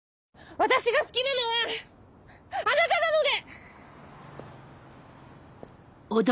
私が好きなのはあなたなので！